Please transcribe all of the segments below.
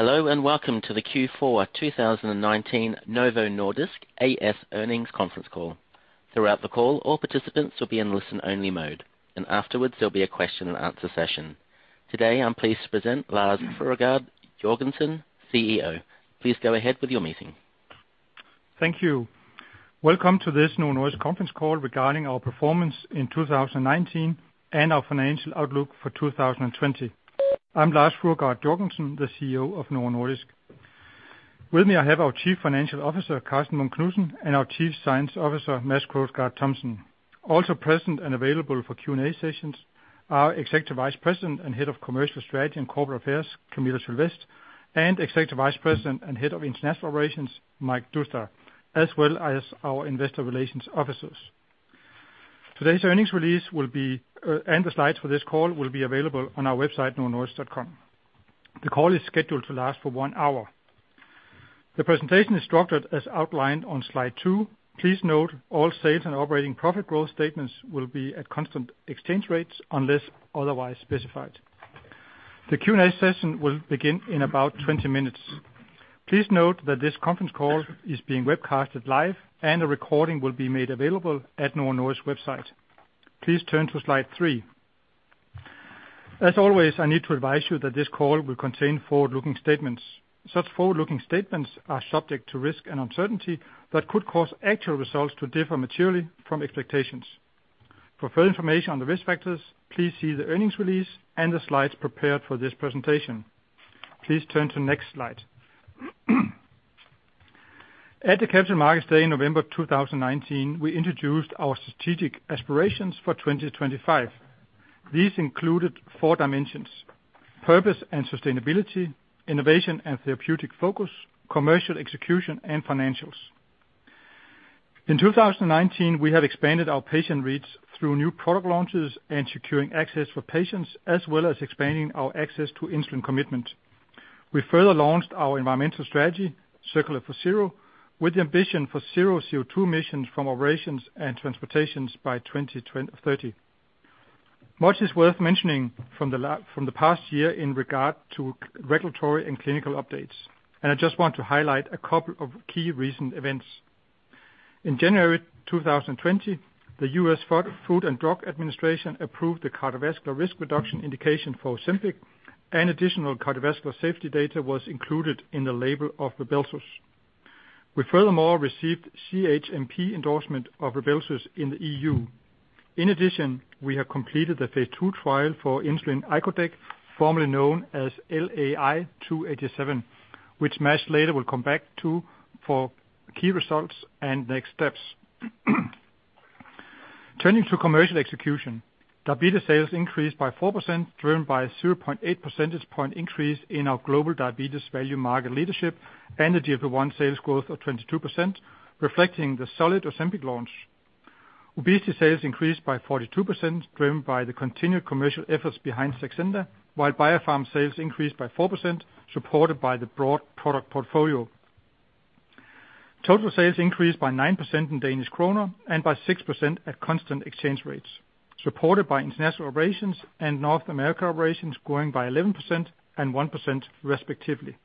Hello, and welcome to the Q4 2019 Novo Nordisk A/S earnings conference call. Throughout the call, all participants will be in listen-only mode, and afterwards there will be a question-and-answer session. Today, I am pleased to present Lars Fruergaard Jørgensen, CEO. Please go ahead with your meeting. Thank you. Welcome to this Novo Nordisk conference call regarding our performance in 2019 and our financial outlook for 2020. I'm Lars Fruergaard Jørgensen, the CEO of Novo Nordisk. With me, I have our Chief Financial Officer, Karsten Munk Knudsen, and our Chief Science Officer, Mads Krogsgaard Thomsen. Also present and available for Q&A sessions are Executive Vice President and Head of Commercial Strategy and Corporate Affairs, Camilla Sylvest, and Executive Vice President and Head of International Operations, Mike Doustdar, as well as our investor relations officers. Today's earnings release will be and the slides for this call will be available on our website, novonordisk.com. The call is scheduled to last for 1 hour. The presentation is structured as outlined on slide two. Please note all sales and operating profit growth statements will be at constant exchange rates unless otherwise specified. The Q&A session will begin in about 20 minutes. Please note that this conference call is being webcasted live, and a recording will be made available at Novo Nordisk website. Please turn to slide three. As always, I need to advise you that this call will contain forward-looking statements. Such forward-looking statements are subject to risk and uncertainty that could cause actual results to differ materially from expectations. For further information on the risk factors, please see the earnings release and the slides prepared for this presentation. Please turn to next slide. At the Capital Markets Day in November 2019, we introduced our strategic aspirations for 2025. These included four dimensions: purpose and sustainability, innovation and therapeutic focus, commercial execution, and financials. In 2019, we have expanded our patient reach through new product launches and securing access for patients, as well as expanding our access to insulin commitment. We further launched our environmental strategy, Circular for Zero, with the ambition for zero CO2 emissions from operations and transportations by 2030. Much is worth mentioning from the past year in regard to regulatory and clinical updates. I just want to highlight a couple of key recent events. In January 2020, the U.S. Food and Drug Administration approved the cardiovascular risk reduction indication for Ozempic and additional cardiovascular safety data was included in the label of RYBELSUS. We furthermore received CHMP endorsement of RYBELSUS in the E.U. In addition, we have completed the phase II trial for insulin icodec, formerly known as LAI287, which Mads later will come back to for key results and next steps. Turning to commercial execution, diabetes sales increased by 4%, driven by 0.8 percentage point increase in our global diabetes value market leadership and the GLP-1 sales growth of 22%, reflecting the solid Ozempic launch. Obesity sales increased by 42%, driven by the continued commercial efforts behind Saxenda, while Biopharm sales increased by 4%, supported by the broad product portfolio. Total sales increased by 9% in Danish krone and by 6% at constant exchange rates, supported by International Operations and North America Operations growing by 11% and 1% respectively.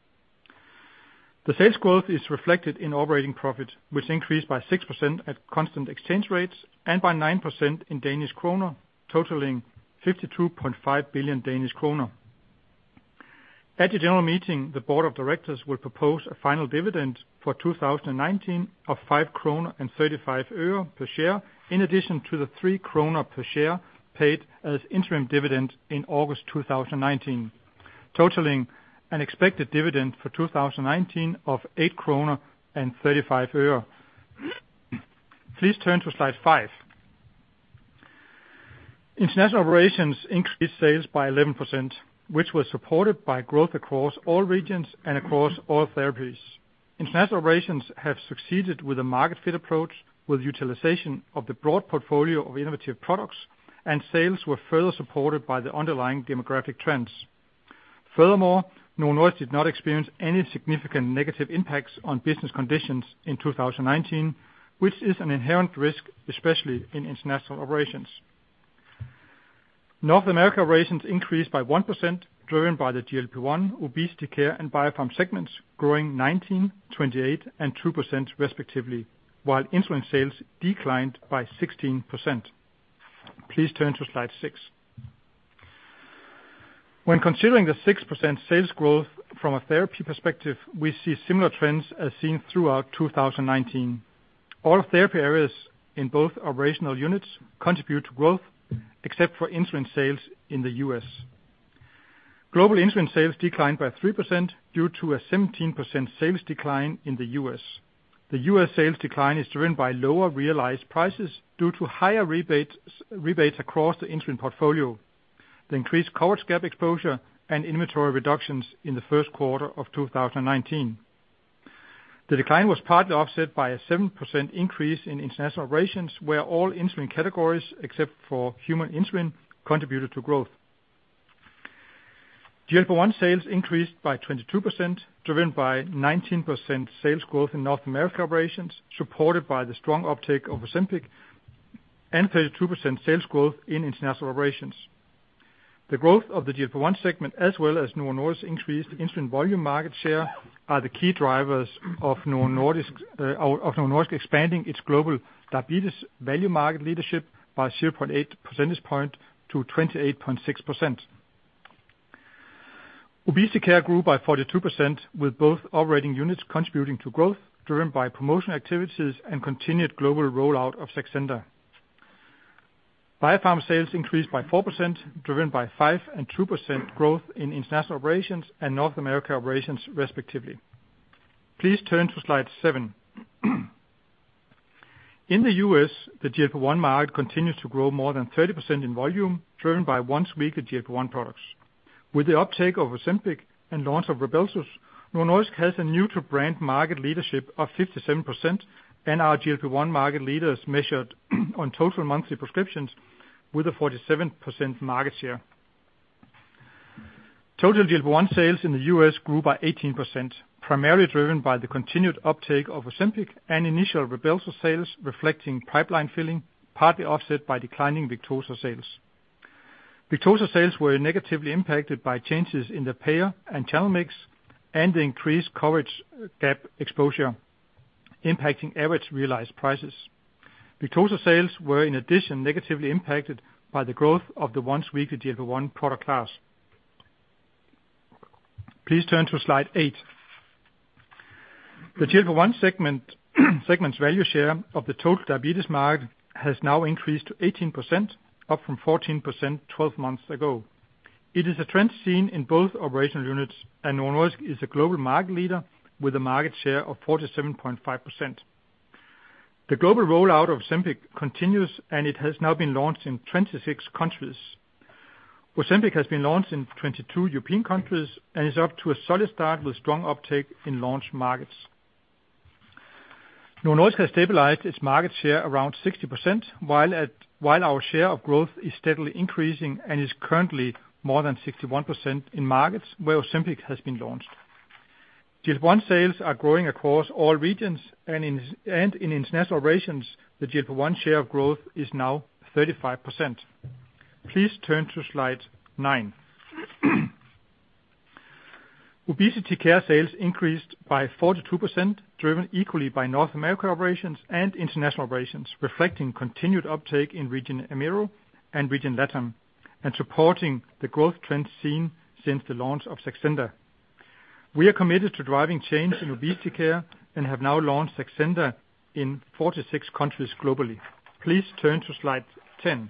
The sales growth is reflected in operating profit, which increased by 6% at constant exchange rates and by 9% in DKK, totaling 52.5 billion Danish kroner. At the general meeting, the board of directors will propose a final dividend for 2019 of DKK 5.35 per share, in addition to the 3 kroner per share paid as interim dividend in August 2019, totaling an expected dividend for 2019 of DKK 8.35. Please turn to slide five. International Operations increased sales by 11%, which was supported by growth across all regions and across all therapies. International Operations have succeeded with a market fit approach with utilization of the broad portfolio of innovative products, and sales were further supported by the underlying demographic trends. Furthermore, Novo Nordisk did not experience any significant negative impacts on business conditions in 2019, which is an inherent risk, especially in International Operations. North America operations increased by 1%, driven by the GLP-1, obesity care, and Biopharm segments, growing 19%, 28%, and 2% respectively, while insulin sales declined by 16%. Please turn to slide 6. When considering the 6% sales growth from a therapy perspective, we see similar trends as seen throughout 2019. All therapy areas in both operational units contribute to growth, except for insulin sales in the U.S. Global insulin sales declined by 3% due to a 17% sales decline in the U.S. The U.S. sales decline is driven by lower realized prices due to higher rebates across the insulin portfolio, the increased coverage gap exposure, and inventory reductions in the first quarter of 2019. The decline was partly offset by a 7% increase in international operations, where all insulin categories except for human insulin contributed to growth. GLP-1 sales increased by 22%, driven by 19% sales growth in North America operations, supported by the strong uptake of Ozempic. 32% sales growth in international operations. The growth of the GLP-1 segment as well as Novo Nordisk increased insulin volume market share are the key drivers of Novo Nordisk expanding its global diabetes value market leadership by 0.8 percentage point to 28.6%. Obesity care grew by 42% with both operating units contributing to growth driven by promotional activities and continued global rollout of Saxenda. Biopharm sales increased by 4% driven by 5% and 2% growth in international operations and North America operations respectively. Please turn to slide seven. In the U.S., the GLP-1 market continues to grow more than 30% in volume driven by once-weekly GLP-1 products. With the uptake of Ozempic and launch of RYBELSUS, Novo Nordisk has a new to brand market leadership of 57% and our GLP-1 market leaders measured on total monthly prescriptions with a 47% market share. Total GLP-1 sales in the U.S. grew by 18%, primarily driven by the continued uptake of Ozempic and initial RYBELSUS sales reflecting pipeline filling partly offset by declining Victoza sales. Victoza sales were negatively impacted by changes in the payer and channel mix and increased coverage gap exposure impacting average realized prices. Victoza sales were in addition negatively impacted by the growth of the once weekly GLP-1 product class. Please turn to slide 8. The GLP-1 segment's value share of the total diabetes market has now increased to 18% up from 14% 12 months ago. It is a trend seen in both operational units. Novo Nordisk is a global market leader with a market share of 47.5%. The global rollout of Ozempic continues. It has now been launched in 26 countries. Ozempic has been launched in 22 European countries and is off to a solid start with strong uptake in launch markets. Novo Nordisk has stabilized its market share around 60% while our share of growth is steadily increasing and is currently more than 61% in markets where Ozempic has been launched. GLP-1 sales are growing across all regions and in International Operations, the GLP-1 share of growth is now 35%. Please turn to slide 9. Obesity care sales increased by 42%, driven equally by North America Operations and International Operations, reflecting continued uptake in Region AAMEO and Region LATAM and supporting the growth trend seen since the launch of Saxenda. We are committed to driving change in obesity care and have now launched Saxenda in 46 countries globally. Please turn to slide 10.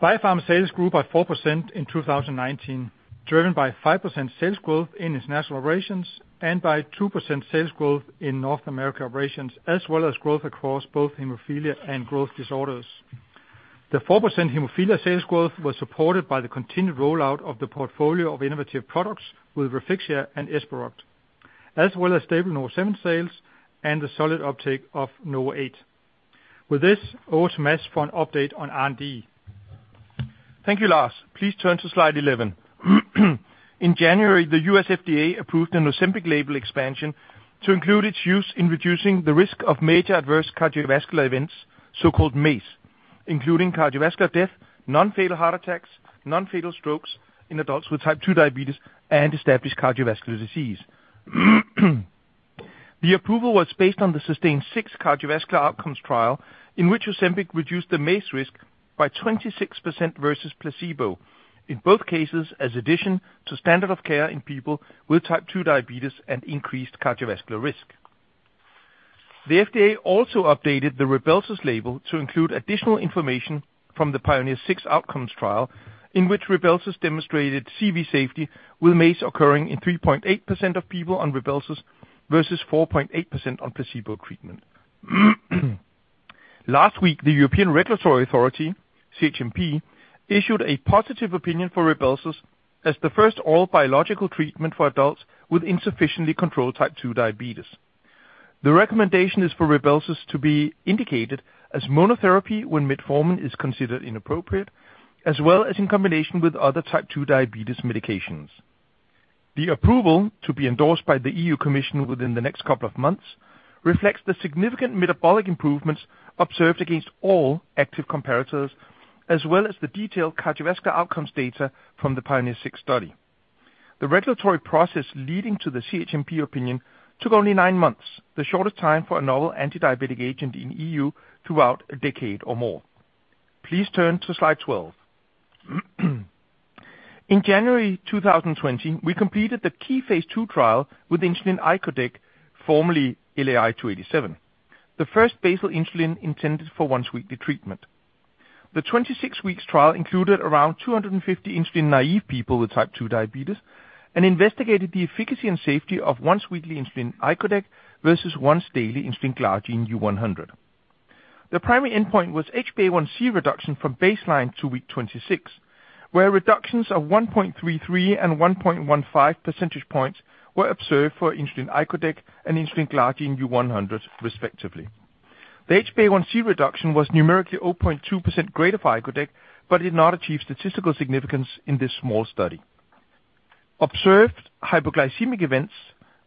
Biopharm sales grew by 4% in 2019, driven by 5% sales growth in International Operations and by 2% sales growth in North America operations as well as growth across both hemophilia and growth disorders. The 4% hemophilia sales growth was supported by the continued rollout of the portfolio of innovative products with Refixia and Esperoct, as well as stable NovoSeven sales and the solid uptake of NovoEight. With this, over to Mads for an update on R&D. Thank you, Lars. Please turn to slide 11. In January, the U.S. FDA approved an Ozempic label expansion to include its use in reducing the risk of major adverse cardiovascular events, so-called MACE, including cardiovascular death, non-fatal heart attacks, non-fatal strokes in adults with type 2 diabetes and established cardiovascular disease. The approval was based on the SUSTAIN 6 cardiovascular outcomes trial in which Ozempic reduced the MACE risk by 26% versus placebo. In both cases, as addition to standard of care in people with type 2 diabetes and increased cardiovascular risk. The FDA also updated the RYBELSUS label to include additional information from the PIONEER 6 outcomes trial, in which RYBELSUS demonstrated CV safety with MACE occurring in 3.8% of people on RYBELSUS versus 4.8% on placebo treatment. Last week, the European Regulatory Authority, CHMP, issued a positive opinion for RYBELSUS as the first all biological treatment for adults with insufficiently controlled type 2 diabetes. The recommendation is for RYBELSUS to be indicated as monotherapy when metformin is considered inappropriate, as well as in combination with other type 2 diabetes medications. The approval to be endorsed by the EU Commission within the next couple of months reflects the significant metabolic improvements observed against all active comparators, as well as the detailed cardiovascular outcomes data from the PIONEER 6 study. The regulatory process leading to the CHMP opinion took only nine months, the shortest time for a novel anti-diabetic agent in E.U. throughout a decade or more. Please turn to slide 12. In January 2020, we completed the key phase II trial with insulin icodec, formerly LAI287, the first basal insulin intended for once-weekly treatment. The 26 weeks trial included around 250 insulin-naive people with type 2 diabetes and investigated the efficacy and safety of once-weekly insulin icodec versus once-daily insulin glargine U-100. The primary endpoint was HbA1c reduction from baseline to week 26, where reductions of 1.33 and 1.15 percentage points were observed for insulin icodec and insulin glargine U-100 respectively. The HbA1c reduction was numerically 0.2% greater for icodec, but did not achieve statistical significance in this small study. Observed hypoglycemic events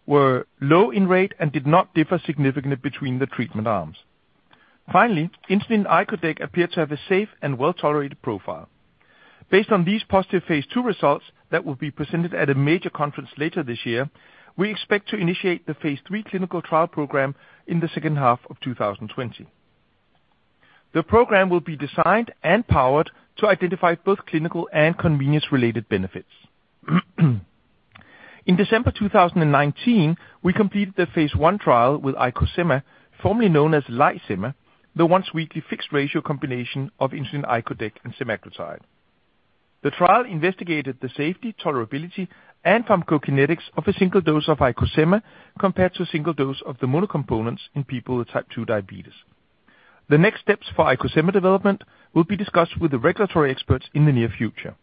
were low in rate and did not differ significantly between the treatment arms. Finally, insulin icodec appeared to have a safe and well-tolerated profile. Based on these positive phase II results that will be presented at a major conference later this year, we expect to initiate the phase III clinical trial program in the second half of 2020. The program will be designed and powered to identify both clinical and convenience-related benefits. In December 2019, we completed the phase I trial with IcoSema, formerly known as LAIsema, the once weekly fixed ratio combination of insulin icodec and semaglutide. The trial investigated the safety, tolerability, and pharmacokinetics of a single dose of IcoSema compared to a single dose of the monocomponents in people with type 2 diabetes. The next steps for IcoSema development will be discussed with the regulatory experts in the near future.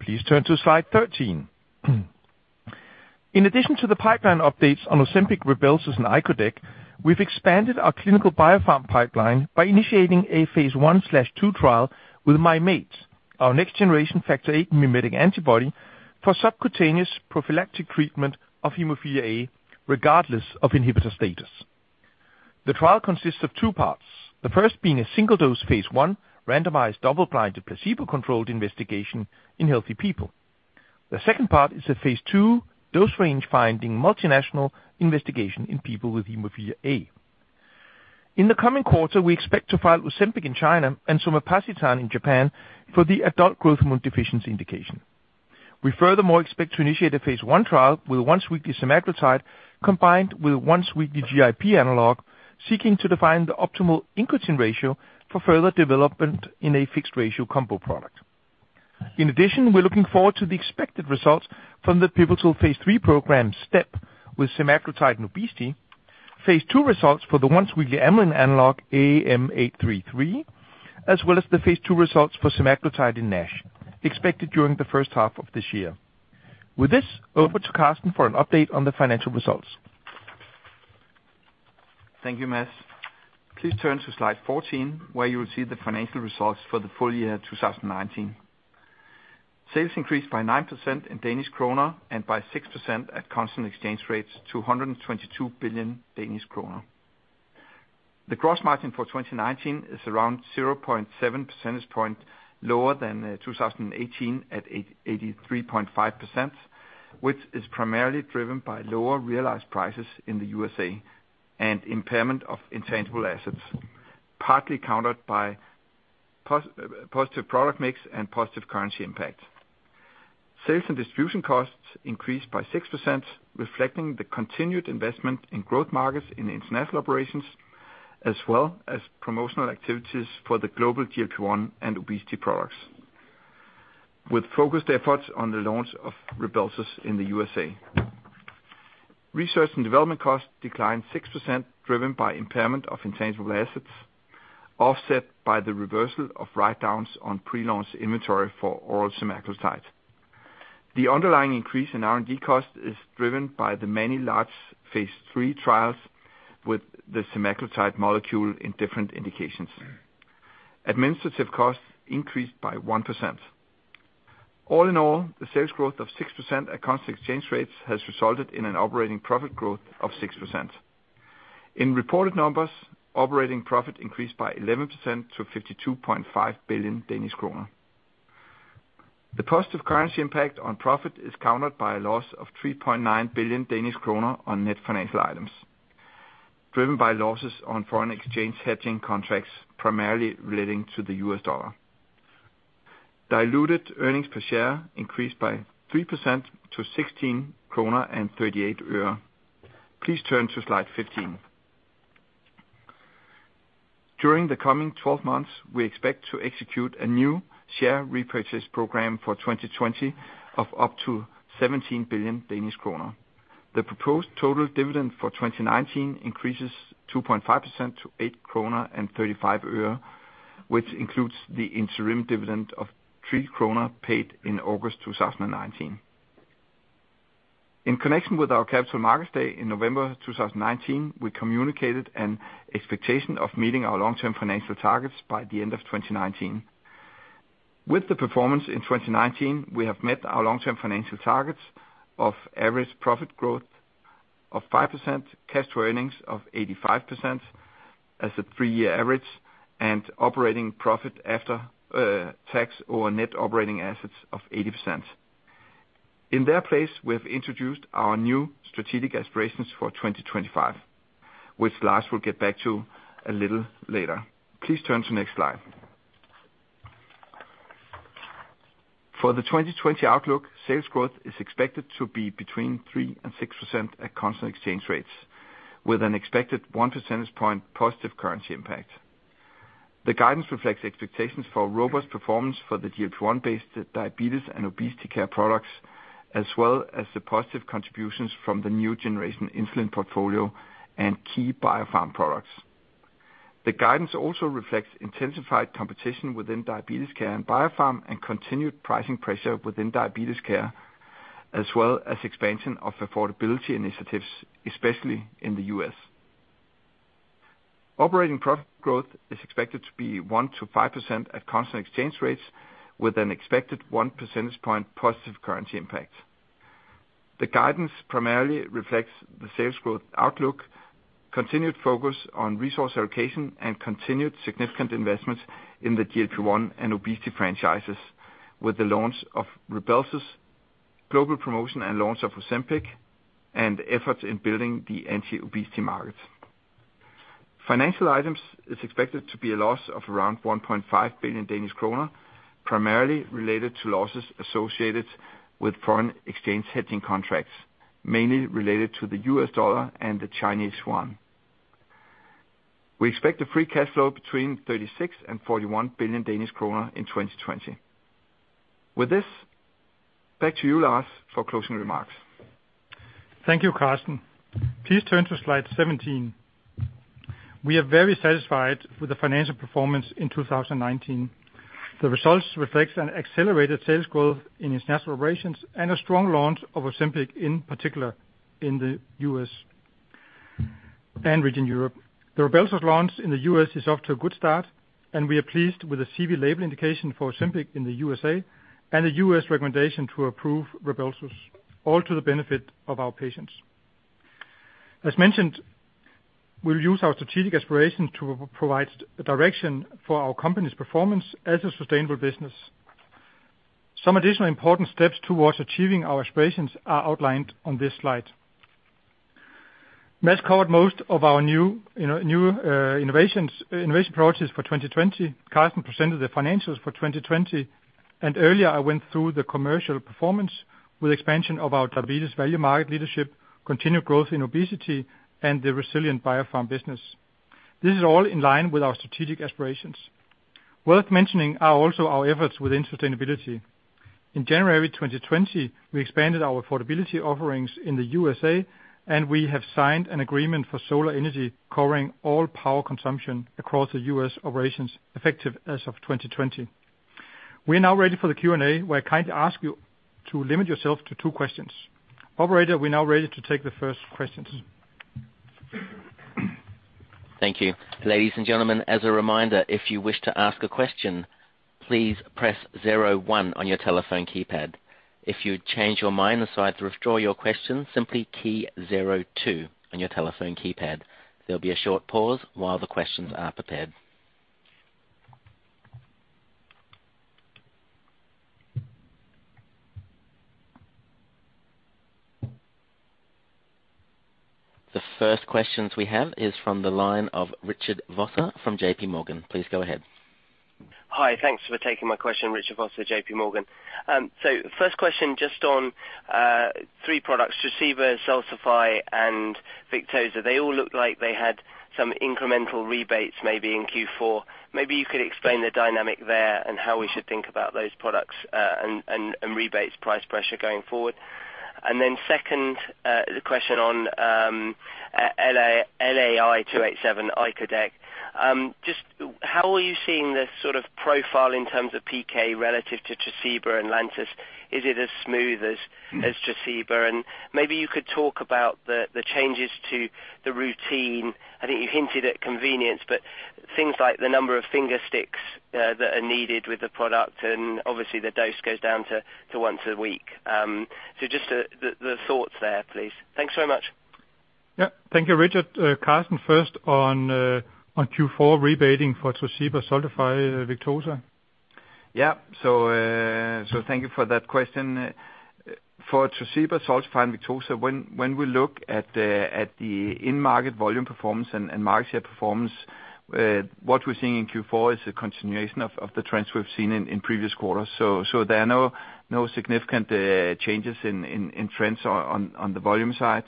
Please turn to slide 13. In addition to the pipeline updates on Ozempic, RYBELSUS, and icodec, we've expanded our clinical Biopharm pipeline by initiating a phase I/II trial with Mim8, our next generation factor VIII mimetic antibody for subcutaneous prophylactic treatment of hemophilia A, regardless of inhibitor status. The trial consists of two parts, the first being a single dose phase I randomized double-blind, placebo-controlled investigation in healthy people. The second part is a phase II dose range finding multinational investigation in people with hemophilia A. In the coming quarter, we expect to file Ozempic in China and somapacitan in Japan for the adult growth hormone deficiency indication. We furthermore expect to initiate a phase I trial with once-weekly semaglutide combined with once-weekly GIP analog, seeking to define the optimal incretin ratio for further development in a fixed ratio combo product. We're looking forward to the expected results from the pivotal phase III program step with semaglutide and obesity, phase II results for the once weekly amylin analog AM833, as well as the phase II results for semaglutide in NASH expected during the first half of this year. With this, over to Karsten for an update on the financial results. Thank you, Mads. Please turn to slide 14, where you will see the financial results for the full year 2019. Sales increased by 9% in Danish Krone and by 6% at constant exchange rates to 122 billion Danish kroner. The gross margin for 2019 is around 0.7 percentage point lower than 2018 at 83.5%, which is primarily driven by lower realized prices in the U.S. and impairment of intangible assets, partly countered by positive product mix and positive currency impact. Sales and distribution costs increased by 6%, reflecting the continued investment in growth markets in international operations, as well as promotional activities for the global GLP-1 and obesity products, with focused efforts on the launch of RYBELSUS in the U.S. Research and development costs declined 6% driven by impairment of intangible assets, offset by the reversal of writedowns on pre-launch inventory for oral semaglutide. The underlying increase in R&D costs is driven by the many large phase III trials with the semaglutide molecule in different indications. Administrative costs increased by 1%. All in all, the sales growth of 6% at constant exchange rates has resulted in an operating profit growth of 6%. In reported numbers, operating profit increased by 11% to 52.5 billion Danish kroner. The positive currency impact on profit is countered by a loss of 3.9 billion Danish kroner on net financial items, driven by losses on foreign exchange hedging contracts, primarily relating to the U.S. dollar. Diluted earnings per share increased by 3% to DKK 16.38. Please turn to slide 15. During the coming 12 months, we expect to execute a new share repurchase program for 2020 of up to 17 billion Danish kroner. The proposed total dividend for 2019 increases 2.5% to DKK 8.35, which includes the interim dividend of 3 kroner paid in August 2019. In connection with our Capital Markets Day in November 2019, we communicated an expectation of meeting our long-term financial targets by the end of 2019. With the performance in 2019, we have met our long-term financial targets of average profit growth of 5%, cash earnings of 85% as a three-year average, and operating profit after tax or net operating assets of 80%. In their place, we have introduced our new strategic aspirations for 2025, which Lars will get back to a little later. Please turn to next slide. For the 2020 outlook, sales growth is expected to be between 3%-6% at constant exchange rates, with an expected 1 percentage point positive currency impact. The guidance reflects expectations for robust performance for the GLP-1-based diabetes and obesity care products, as well as the positive contributions from the new generation insulin portfolio and key Biopharm products. The guidance also reflects intensified competition within diabetes care and Biopharm and continued pricing pressure within diabetes care, as well as expansion of affordability initiatives, especially in the U.S. Operating profit growth is expected to be 1%-5% at constant exchange rates with an expected 1 percentage point positive currency impact. The guidance primarily reflects the sales growth outlook, continued focus on resource allocation, and continued significant investments in the GLP-1 and obesity franchises with the launch of RYBELSUS, global promotion and launch of Ozempic, and efforts in building the anti-obesity market. Financial items is expected to be a loss of around 1.5 billion Danish kroner, primarily related to losses associated with foreign exchange hedging contracts, mainly related to the U.S. dollar and the Chinese yuan. We expect a free cash flow between 36 billion and 41 billion Danish kroner in 2020. With this, back to you, Lars, for closing remarks. Thank you, Karsten. Please turn to slide 17. We are very satisfied with the financial performance in 2019. The results reflects an accelerated sales growth in international operations and a strong launch of Ozempic, in particular in the U.S. and region Europe. The RYBELSUS launch in the U.S. is off to a good start, and we are pleased with the CV label indication for Ozempic in the U.S. and the U.S. recommendation to approve RYBELSUS, all to the benefit of our patients. As mentioned, we'll use our strategic aspirations to provide direction for our company's performance as a sustainable business. Some additional important steps towards achieving our aspirations are outlined on this slide. Mads covered most of our new, you know, innovation projects for 2020. Karsten presented the financials for 2020. Earlier I went through the commercial performance with expansion of our diabetes value market leadership, continued growth in obesity, and the resilient Biopharm business. This is all in line with our strategic aspirations. Worth mentioning are also our efforts within sustainability. In January 2020, we expanded our affordability offerings in the U.S.A. We have signed an agreement for solar energy covering all power consumption across the U.S. operations effective as of 2020. We are now ready for the Q&A. We kindly ask you to limit yourself to two questions. Operator, we're now ready to take the first questions. Thank you. Ladies and gentlemen as a reminder if you wish to ask a question, please press zero one on your telephone keypad. If you change your mind and decide to withdraw your question simply key zero two on your telephone keypad. There will be a short pause while questions are prepared. The first questions we have is from the line of Richard Vosser from JPMorgan. Please go ahead. Hi. Thanks for taking my question, Richard Vosser, JPMorgan. First question just on three products, Tresiba, Xultophy and Victoza. They all looked like they had some incremental rebates maybe in Q4. Maybe you could explain the dynamic there and how we should think about those products, and rebates price pressure going forward. Second, the question on LAI287 icodec. Just how are you seeing the sort of profile in terms of PK relative to Tresiba and Lantus? Is it as smooth as Tresiba? Maybe you could talk about the changes to the routine. I think you hinted at convenience, but things like the number of finger sticks that are needed with the product, and obviously the dose goes down to once a week. Just, the thoughts there, please. Thanks so much. Yeah. Thank you, Richard. Karsten first on Q4 rebating for Tresiba, Xultophy, Victoza. Thank you for that question. For Tresiba, Xultophy and Victoza, when we look at the in-market volume performance and market share performance, what we're seeing in Q4 is a continuation of the trends we've seen in previous quarters. There are no significant changes in trends on the volume side.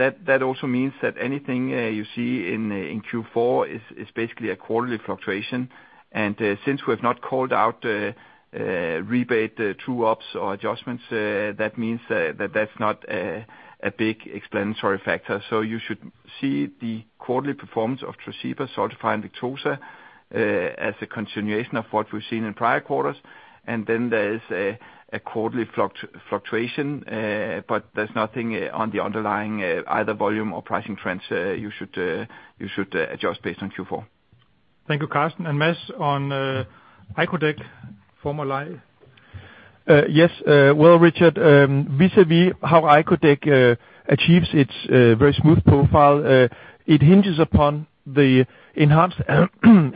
That also means that anything you see in Q4 is basically a quarterly fluctuation. Since we have not called out rebate true ups or adjustments, that means that's not a big explanatory factor. You should see the quarterly performance of Tresiba, Xultophy and Victoza as a continuation of what we've seen in prior quarters. There is a quarterly fluctuation, but there's nothing on the underlying either volume or pricing trends, you should adjust based on Q4. Thank you, Karsten, and Mads on icodec, former LAI. Yes. Well, Richard, vis-a-vis how icodec achieves its very smooth profile, it hinges upon the enhanced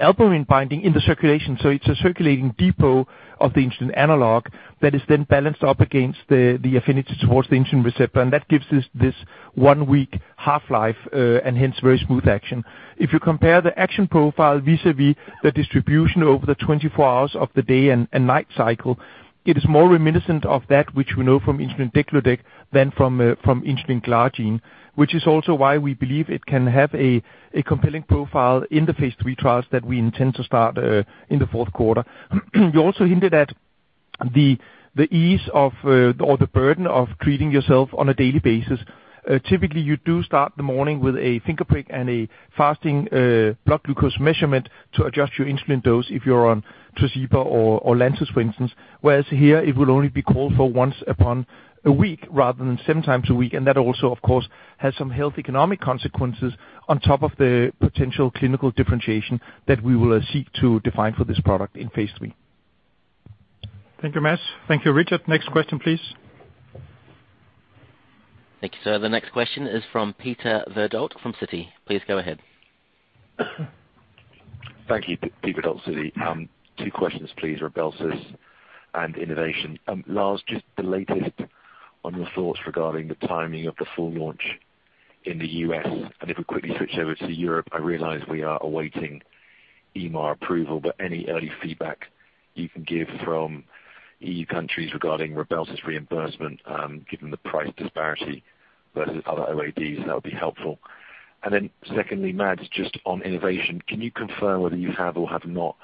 albumin binding in the circulation. It's a circulating depot of the insulin analog that is then balanced up against the affinity towards the insulin receptor, and that gives us this one week half-life, and hence very smooth action. If you compare the action profile vis-a-vis the distribution over the 24 hours of the day and night cycle, it is more reminiscent of that which we know from insulin degludec than from insulin glargine, which is also why we believe it can have a compelling profile in the phase III trials that we intend to start in the fourth quarter. We also hinted at The ease of or the burden of treating yourself on a daily basis. Typically you do start the morning with a finger prick and a fasting blood glucose measurement to adjust your insulin dose if you're on Tresiba or Lantus, for instance. Whereas here it will only be called for once upon a week rather than seven times a week, and that also of course, has some health economic consequences on top of the potential clinical differentiation that we will seek to define for this product in phase III. Thank you, Mads. Thank you, Richard. Next question, please. Thank you, sir. The next question is from Peter Verdult from Citigroup. Please go ahead. Thank you. Peter Verdult, Citi. Two questions please, RYBELSUS and innovation. Lars, just the latest on your thoughts regarding the timing of the full launch in the U.S., and if we quickly switch over to Europe, I realize we are awaiting EMA approval, but any early feedback you can give from E.U. countries regarding RYBELSUS reimbursement, given the price disparity versus other OADs, that would be helpful. Secondly, Mads, just on innovation, can you confirm whether you have or have not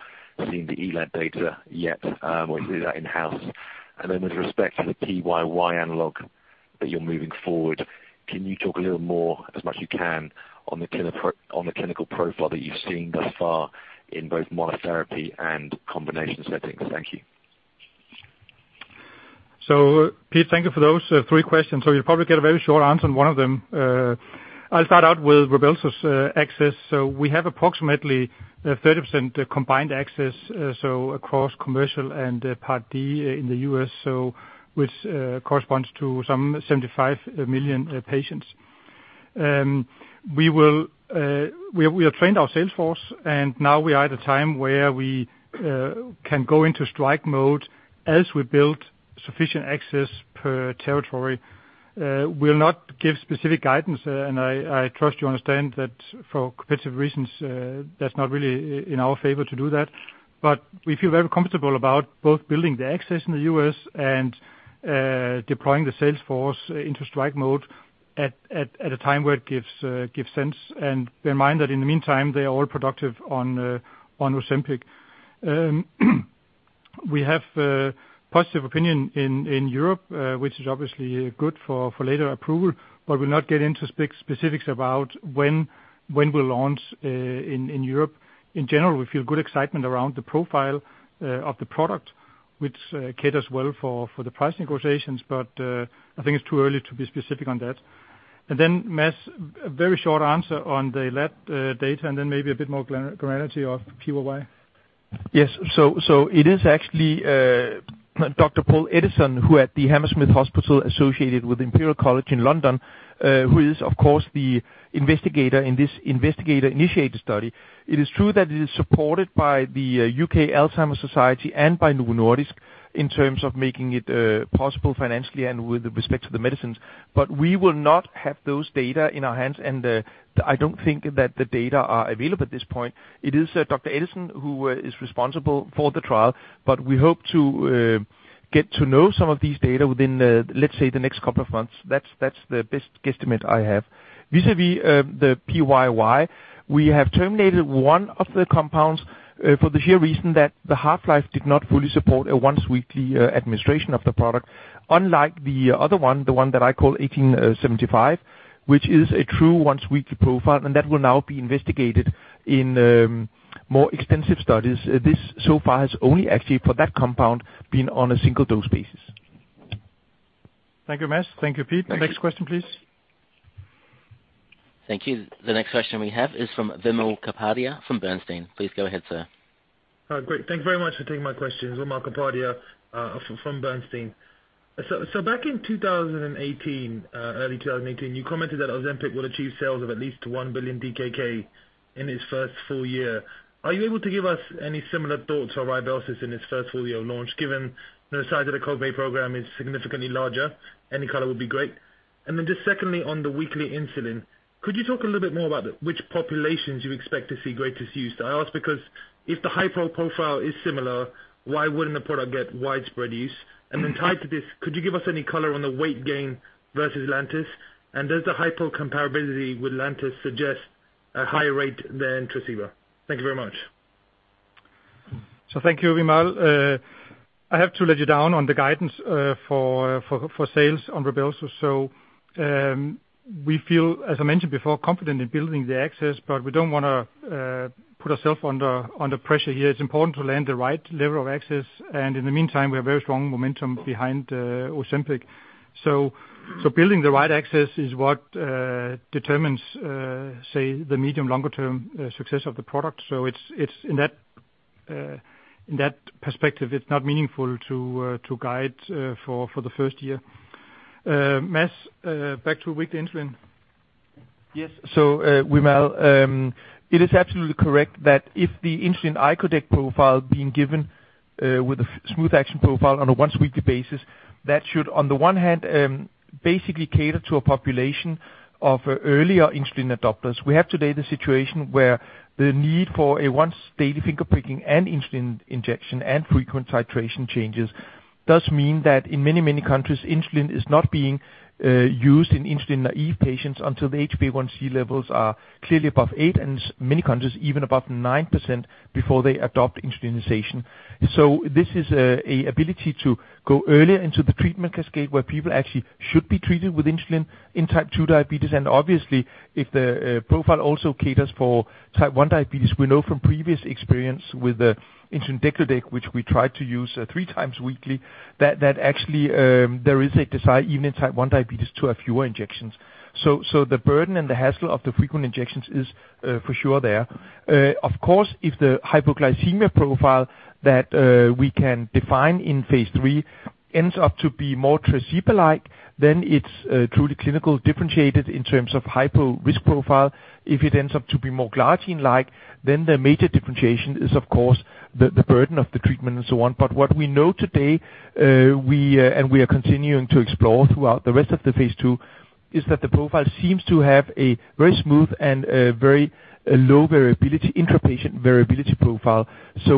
seen the ELAD data yet, or is that in-house? With respect to the PYY analog that you're moving forward, can you talk a little more, as much you can, on the clinical profile that you've seen thus far in both monotherapy and combination settings? Thank you. Peter, thank you for those three questions. You'll probably get a very short answer on one of them. I'll start out with RYBELSUS access. We have approximately 30% combined access across commercial and Part D in the U.S., which corresponds to some 75 million patients. We will, we have trained our sales force and now we are at a time where we can go into strike mode as we build sufficient access per territory. We'll not give specific guidance, and I trust you understand that for competitive reasons, that's not really in our favor to do that. We feel very comfortable about both building the access in the U.S. and deploying the sales force into strike mode at a time where it gives sense, and bear in mind that in the meantime, they are all productive on Ozempic. We have a positive opinion in Europe, which is obviously good for later approval, but will not get into specifics about when we'll launch in Europe. We feel good excitement around the profile of the product, which caters well for the price negotiations. I think it's too early to be specific on that. Mads, very short answer on the ELAD data and then maybe a bit more granularity of PYY. Yes. It is actually Dr. Paul Edison, who at the Hammersmith Hospital associated with Imperial College London, who is of course the investigator in this investigator-initiated study. It is true that it is supported by the U.K. Alzheimer's Society and by Novo Nordisk in terms of making it possible financially and with respect to the medicines. We will not have those data in our hands and I don't think that the data are available at this point. It is Dr. Edison who is responsible for the trial, we hope to get to know some of these data within the, let's say, the next couple of months. That's the best guesstimate I have. Vis-a-vis, the PYY, we have terminated one of the compounds, for the sheer reason that the half-life did not fully support a once-weekly administration of the product, unlike the other one, the one that I call 1875, which is a true once-weekly profile, and that will now be investigated in more extensive studies. This so far has only actually for that compound been on a single dose basis. Thank you, Mads. Thank you, Pete. Next question, please. Thank you. The next question we have is from Wimal Kapadia from Bernstein. Please go ahead, sir. Great. Thank you very much for taking my questions. Wimal Kapadia, from Bernstein. Back in 2018, early 2018, you commented that Ozempic will achieve sales of at least 1 billion DKK in its first full year. Are you able to give us any similar thoughts for RYBELSUS in its first full year of launch, given the size of the [COGME] program is significantly larger? Any color would be great. Just secondly, on the weekly insulin, could you talk a little bit more about which populations you expect to see greatest use? I ask because if the hypo profile is similar, why wouldn't the product get widespread use? Tied to this, could you give us any color on the weight gain versus Lantus? Does the hypo comparability with Lantus suggest a higher rate than Tresiba? Thank you very much. Thank you, Wimal. I have to let you down on the guidance for sales on RYBELSUS. We feel, as I mentioned before, confident in building the access, but we don't wanna put ourself under pressure here. It's important to land the right level of access, and in the meantime, we have very strong momentum behind Ozempic. Building the right access is what determines say the medium, longer term success of the product. It's in that in that perspective, it's not meaningful to guide for the first year. Mads, back to weekly insulin. Yes. Wimal, it is absolutely correct that if the insulin icodec profile being given with a smooth action profile on a once-weekly basis, that should on the one hand basically cater to a population of earlier insulin adopters, we have today the situation where the need for a once-daily finger pricking and insulin injection and frequent titration changes does mean that in many, many countries, insulin is not being used in insulin naive patients until the HbA1c levels are clearly above 8%, and many countries, even above 9% before they adopt insulinization. This is a ability to go earlier into the treatment cascade where people actually should be treated with insulin in type 2 diabetes. Obviously, if the profile also caters for type 1 diabetes, we know from previous experience with the insulin degludec, which we tried to use three times weekly, that actually there is even in type 1 diabetes, to have fewer injections. The burden and the hassle of the frequent injections is for sure there. Of course, if the hypoglycemia profile that we can define in phase III ends up to be more Tresiba-like, then it's truly clinical differentiated in terms of hypo risk profile. If it ends up to be more glargine-like, then the major differentiation is of course the burden of the treatment and so on. What we know today, we, and we are continuing to explore throughout the rest of the phase II, is that the profile seems to have a very smooth and a very, a low variability, intra-patient variability profile.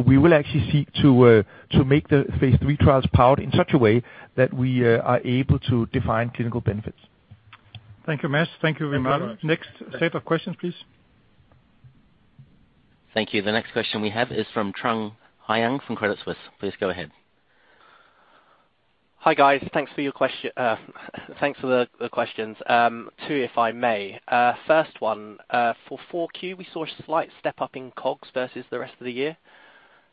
We will actually seek to make the phase III trials powered in such a way that we are able to define clinical benefits. Thank you, Mads. Thank you very much. Next set of questions, please. Thank you. The next question we have is from Jo Walton from Credit Suisse. Please go ahead. Hi, guys. Thanks for your thanks for the questions. Two, if I may. First one, for 4 Q, we saw a slight step up in COGS versus the rest of the year.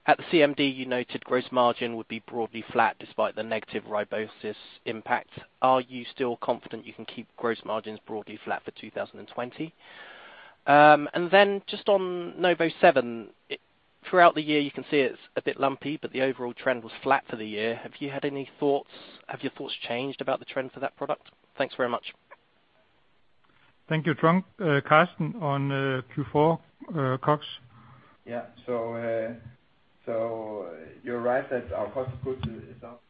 At the CMD, you noted gross margin would be broadly flat despite the negative RYBELSUS impact. Are you still confident you can keep gross margins broadly flat for 2020? Then just on NovoSeven, throughout the year, you can see it's a bit lumpy, but the overall trend was flat for the year. Have you had any thoughts? Have your thoughts changed about the trend for that product? Thanks very much. Thank you, Walton. Karsten, on Q4 COGS. You're right that our cost of goods is up.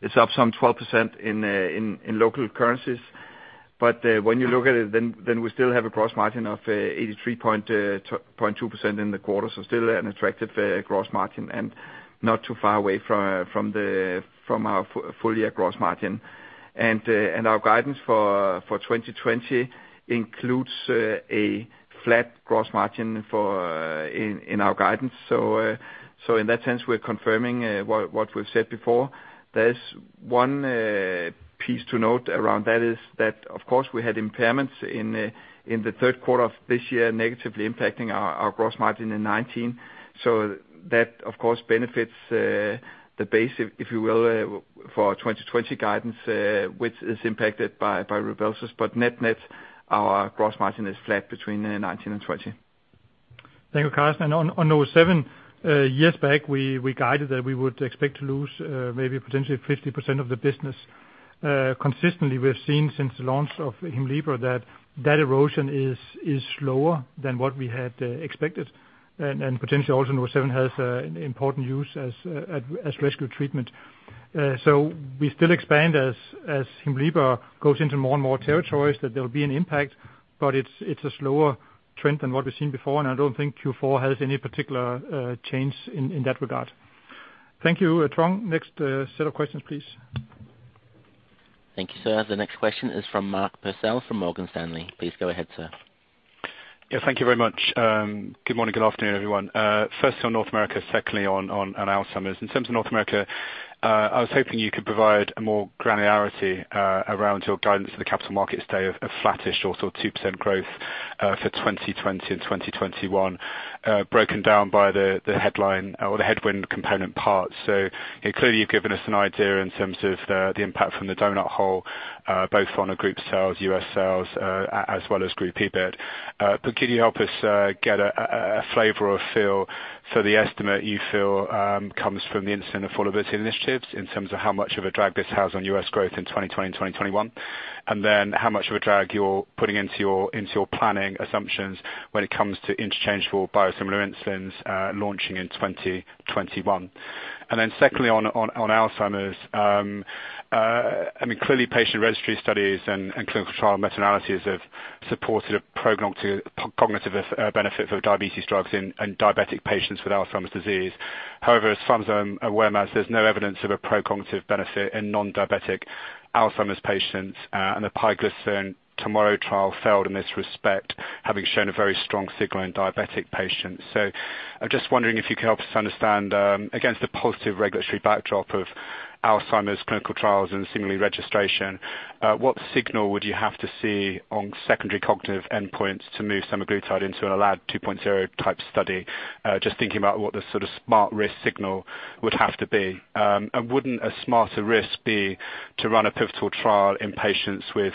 It's up some 12% in local currencies. When you look at it, we still have a gross margin of 83.2% in the quarter, still an attractive gross margin and not too far away from our full year gross margin. Our guidance for 2020 includes a flat gross margin in our guidance. In that sense, we're confirming what we've said before. There's one piece to note around that is that of course we had impairments in the third quarter of this year negatively impacting our gross margin in 2019. That of course benefits, the base, if you will, for our 2020 guidance, which is impacted by RYBELSUS. Net-net, our gross margin is flat between, 2019 and 2020. Thank you, Karsten. On NovoSeven, years back, we guided that we would expect to lose maybe potentially 50% of the business. Consistently, we have seen since the launch of HEMLIBRA that erosion is slower than what we had expected. Potentially also NovoSeven has an important use as rescue treatment. We still expand as HEMLIBRA goes into more and more territories, that there will be an impact, but it's a slower trend than what we've seen before, and I don't think Q4 has any particular change in that regard. Thank you, Walton. Next set of questions, please. Thank you, sir. The next question is from Mark Purcell from Morgan Stanley. Please go ahead, sir. Thank you very much. Good morning, good afternoon, everyone. First on North America, secondly on Alzheimer's. In terms of North America, I was hoping you could provide a more granularity around your guidance for the capital markets day of flattish or sort of 2% growth for 2020 and 2021, broken down by the headline or the headwind component parts. Clearly you've given us an idea in terms of the impact from the donut hole, both on a group sales, U.S. sales, as well as group EBIT. Could you help us get a flavor or feel for the estimate you feel comes from the insulin affordability initiatives in terms of how much of a drag this has on U.S. growth in 2020 and 2021? How much of a drag you're putting into your, into your planning assumptions when it comes to interchangeable biosimilar insulins, launching in 2021. Secondly on Alzheimer's, I mean, clearly patient registry studies and clinical trial meta-analyses have supported a cognitive benefit for diabetes drugs in diabetic patients with Alzheimer's disease. However, as far as I'm aware, Mads, there's no evidence of a pro-cognitive benefit in non-diabetic Alzheimer's patients, and the pioglitazone TOMORROW trial failed in this respect, having shown a very strong signal in diabetic patients. I'm just wondering if you could help us understand, against the positive regulatory backdrop of Alzheimer's clinical trials and seemingly registration, what signal would you have to see on secondary cognitive endpoints to move semaglutide into an ELAD 2.0 type study? Just thinking about what the sort of smart risk signal would have to be. Wouldn't a smarter risk be to run a pivotal trial in patients with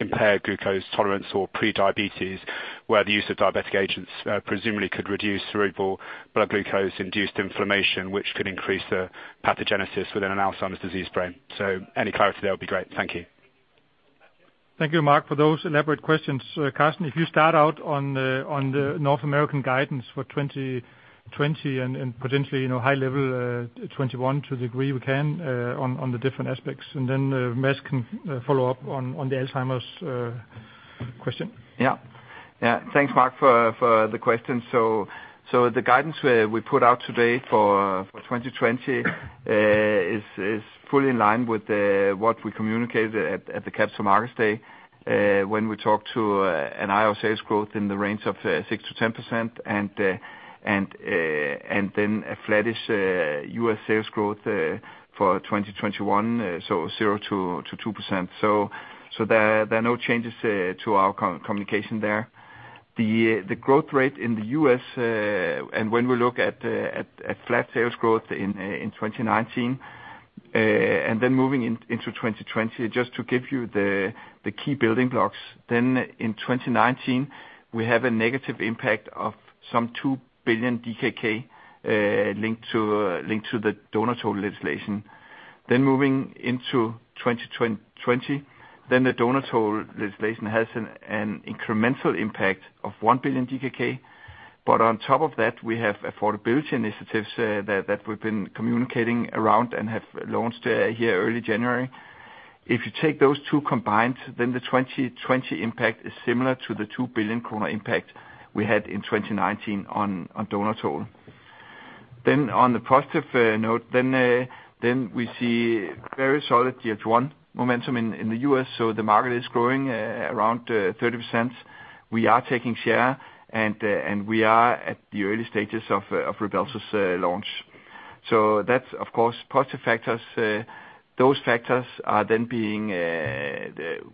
impaired glucose tolerance or pre-diabetes, where the use of diabetic agents, presumably could reduce cerebral blood glucose-induced inflammation, which could increase the pathogenesis within an Alzheimer's disease brain? Any clarity there would be great. Thank you. Thank you, Mark, for those elaborate questions. Karsten, if you start out on the North American guidance for 2020 and potentially, you know, high level, 2021 to the degree we can, on the different aspects, and then, Mads can follow up on the Alzheimer's question. Yeah, thanks, Mark, for the question. The guidance we put out today for 2020 is fully in line with what we communicated at the Capital Markets Day when we talked to an IO sales growth in the range of 6%-10% and then a flattish U.S. sales growth for 2021, 0%-2%. There are no changes to our communication there. The growth rate in the U.S., and when we look at flat sales growth in 2019 and then moving into 2020, just to give you the key building blocks. In 2019, we have a negative impact of some 2 billion DKK linked to the donut hole legislation. Moving into 2020, then the donut hole legislation has an incremental impact of 1 billion DKK. On top of that, we have affordability initiatives that we've been communicating around and have launched here early January. If you take those two combined, then the 2020 impact is similar to the 2 billion kroner impact we had in 2019 on donut hole. On the positive note, then we see very solid tier one momentum in the U.S., so the market is growing around 30%. We are taking share and we are at the early stages of RYBELSUS launch. That's, of course, positive factors. Those factors are being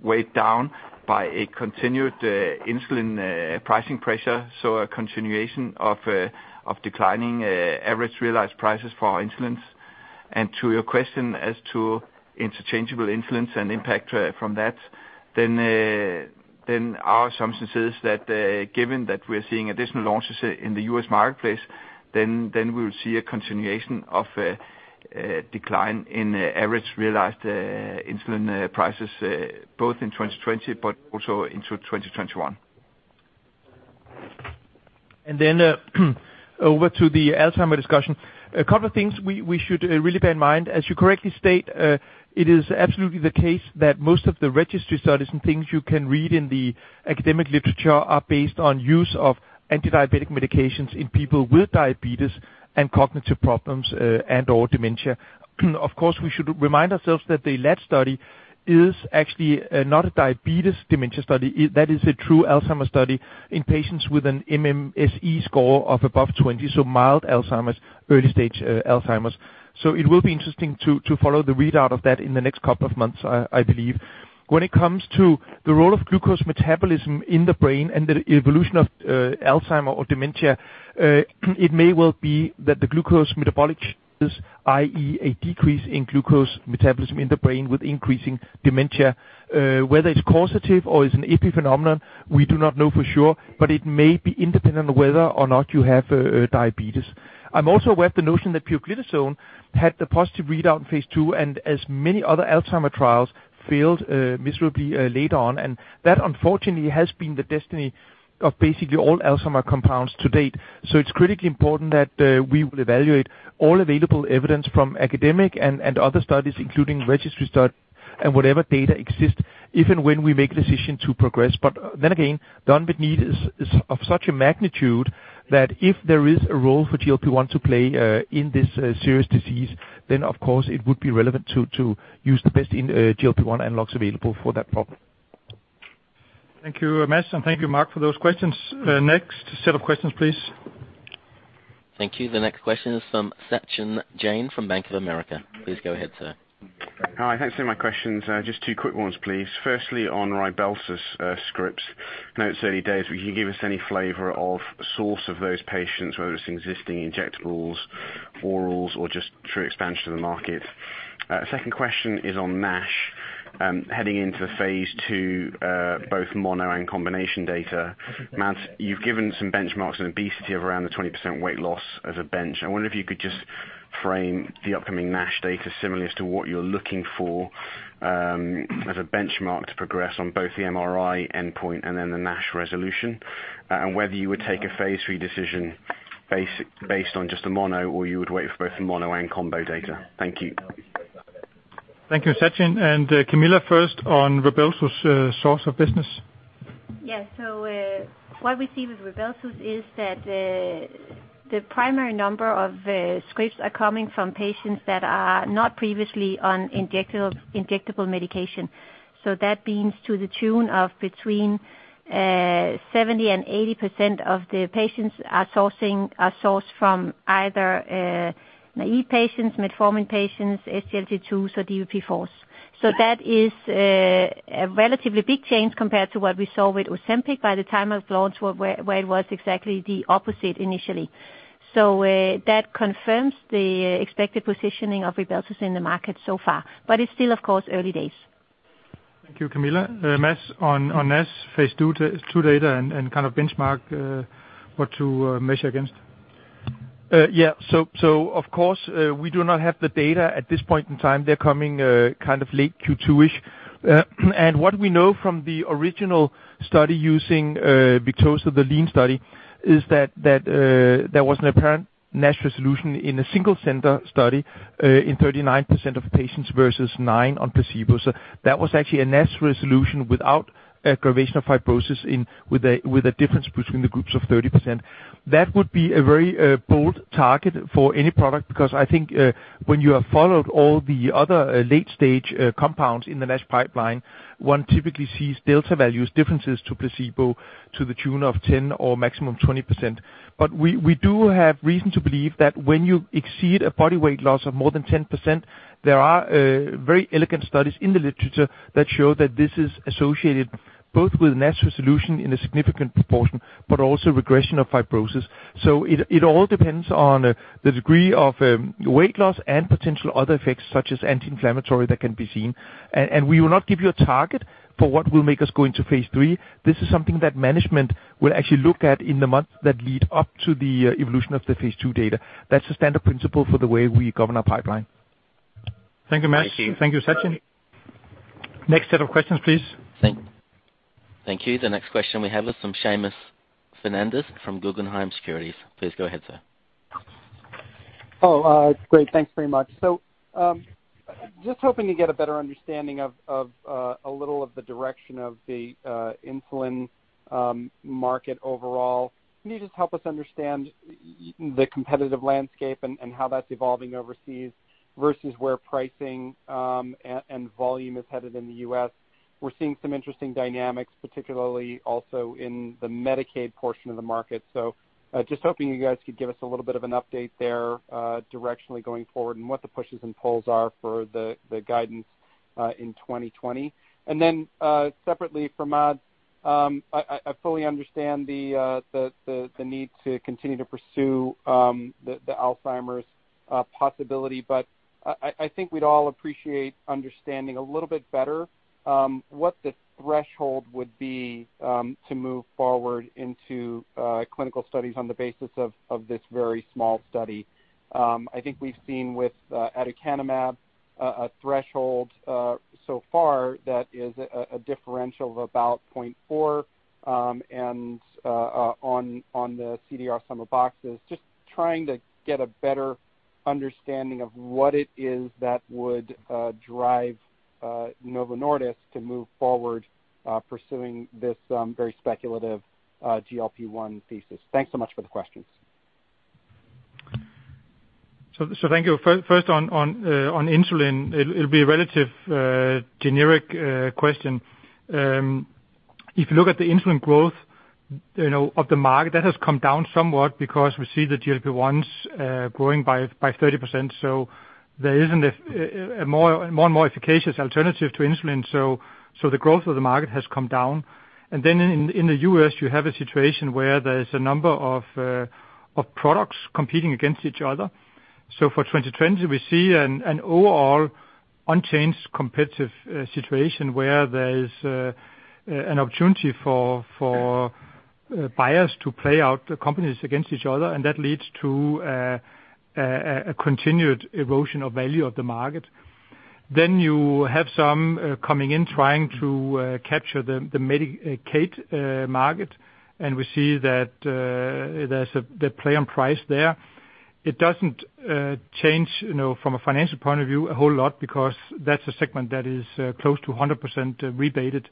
weighed down by a continued insulin pricing pressure, so a continuation of declining average realized prices for our insulins. To your question as to interchangeable insulins and impact from that, then our assumption is that given that we're seeing additional launches in the U.S. marketplace, then we'll see a continuation of a decline in average realized insulin prices both in 2020, but also into 2021. Over to the Alzheimer's discussion. A couple of things we should really bear in mind. As you correctly state, it is absolutely the case that most of the registry studies and things you can read in the academic literature are based on use of anti-diabetic medications in people with diabetes and cognitive problems, and/or dementia. Of course, we should remind ourselves that the ELAD study is actually not a diabetes dementia study. That is a true Alzheimer's study in patients with an MMSE score of above 20, so mild Alzheimer's, early stage, Alzheimer's. It will be interesting to follow the readout of that in the next couple of months, I believe. When it comes to the role of glucose metabolism in the brain and the evolution of Alzheimer's or dementia, it may well be that the glucose metabolic, i.e. a decrease in glucose metabolism in the brain with increasing dementia. Whether it's causative or is an epiphenomenon, we do not know for sure, but it may be independent of whether or not you have diabetes. I'm also aware of the notion that pioglitazone had the positive readout in phase II, and as many other Alzheimer trials failed miserably later on, and that unfortunately has been the destiny of basically all Alzheimer compounds to date. It's critically important that we will evaluate all available evidence from academic and other studies, including registry studies, and whatever data exists, even when we make a decision to progress. The unmet need is of such a magnitude that if there is a role for GLP-1 to play in this serious disease, then of course it would be relevant to use the best GLP-1 analogs available for that problem. Thank you, Mads, and thank you, Mark, for those questions. Next set of questions, please. Thank you. The next question is from Sachin Jain from Bank of America. Please go ahead, sir. Hi. Thanks for my questions. Just two quick ones, please. Firstly, on RYBELSUS scripts, I know it's early days, but can you give us any flavor of source of those patients, whether it's existing injectables, orals, or just through expansion of the market? Second question is on NASH. Heading into the phase II, both mono and combination data. Mads, you've given some benchmarks in obesity of around the 20% weight loss as a bench. I wonder if you could just frame the upcoming NASH data similarly as to what you're looking for as a benchmark to progress on both the MRI endpoint and then the NASH resolution, and whether you would take a phase III decision based on just a mono or you would wait for both the mono and combo data. Thank you. Thank you, Sachin. Camilla, first on RYBELSUS', source of business. Yeah. What we see with RYBELSUS is that the primary number of scripts are coming from patients that are not previously on injectable medication. That means to the tune of between 70% and 80% of the patients are sourcing, are sourced from either naive patients, metformin patients, SGLT2s or DPP-4s. That is a relatively big change compared to what we saw with Ozempic by the time of launch, where it was exactly the opposite initially. That confirms the expected positioning of RYBELSUS in the market so far, but it's still, of course, early days. Thank you, Camilla. Mads, on NASH phase II data and kind of benchmark, what to measure against. Yeah. Of course, we do not have the data at this point in time. They're coming, kind of late Q2-ish. What we know from the original study using Victoza, the LEAN study, is that there was an apparent NASH resolution in a single center study, in 39% of patients versus nine on placebo. That was actually a NASH resolution without aggravation of fibrosis in, with a difference between the groups of 30%. That would be a very bold target for any product because I think, when you have followed all the other, late-stage, compounds in the NASH pipeline, one typically sees delta values, differences to placebo to the tune of 10% or maximum 20%. We do have reason to believe that when you exceed a body weight loss of more than 10%, there are very elegant studies in the literature that show that this is associated both with NASH resolution in a significant proportion, but also regression of fibrosis. It all depends on the degree of weight loss and potential other effects such as anti-inflammatory that can be seen. We will not give you a target for what will make us go into phase III. This is something that management will actually look at in the months that lead up to the evolution of the phase II data. That's the standard principle for the way we govern our pipeline. Thank you, Mads. Thank you. Thank you, Sachin. Next set of questions, please. Thank you. The next question we have is from Seamus Fernandez from Guggenheim Securities. Please go ahead, sir. Great. Thanks very much. Just hoping to get a better understanding of a little of the direction of the insulin market overall. Can you just help us understand the competitive landscape and how that's evolving overseas versus where pricing and volume is headed in the U.S.? We're seeing some interesting dynamics, particularly also in the Medicaid portion of the market. Just hoping you guys could give us a little bit of an update there directionally going forward, and what the pushes and pulls are for the guidance in 2020. Separately from Mads, I fully understand the need to continue to pursue the Alzheimer's possibility, but I think we'd all appreciate understanding a little bit better what the threshold would be to move forward into clinical studies on the basis of this very small study. I think we've seen with aducanumab a threshold so far that is a differential of about 0.4, and on the CDR Sum of Boxes. Just trying to get a better understanding of what it is that would drive Novo Nordisk to move forward pursuing this very speculative GLP-1 thesis. Thanks so much for the questions. Thank you. First on insulin, it'll be a relative generic question. If you look at the insulin growth, you know, of the market, that has come down somewhat because we see the GLP-1s growing by 30%. There isn't a more and more efficacious alternative to insulin, the growth of the market has come down. In the U.S., you have a situation where there's a number of products competing against each other. For 2020, we see an overall unchanged competitive situation where there is an opportunity for buyers to play out the companies against each other, and that leads to a continued erosion of value of the market. You have some coming in trying to capture the Medicaid market, and we see that they play on price there. It doesn't change, you know, from a financial point of view a whole lot because that's a segment that is close to 100% rebated.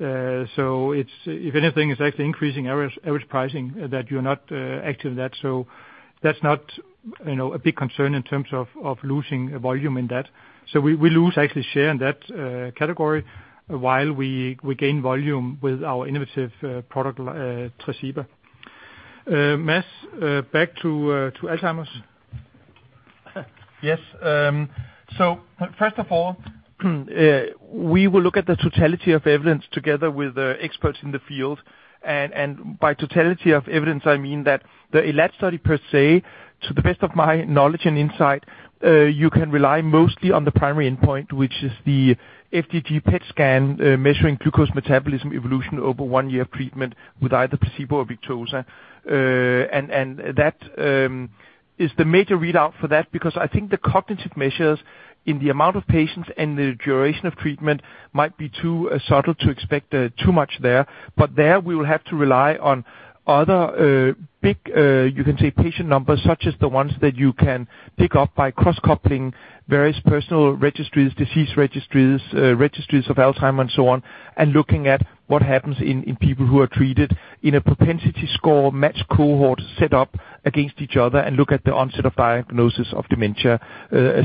If anything, it's actually increasing average pricing that you're not active in that. That's not, you know, a big concern in terms of losing volume in that. We lose actually share in that category while we gain volume with our innovative product, Tresiba. Mads, back to Alzheimer's. Yes. First of all, we will look at the totality of evidence together with the experts in the field. By totality of evidence, I mean that the ELAD study per se, to the best of my knowledge and insight, you can rely mostly on the primary endpoint, which is the FDG PET scan, measuring glucose metabolism evolution over one year of treatment with either placebo or Victoza. That is the major readout for that because I think the cognitive measures in the amount of patients and the duration of treatment might be too subtle to expect too much there. There we will have to rely on other, you can say patient numbers, such as the ones that you can pick up by cross-coupling various personal registries, disease registries of Alzheimer's, and so on, and looking at what happens in people who are treated in a propensity score matched cohort set up against each other and look at the onset of diagnosis of dementia.